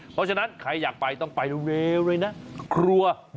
เพราะฉะนั้นใครอยากไปต้องไปเลยนะครัวยู่เจริญ